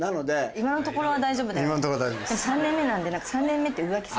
今のところは大丈夫です。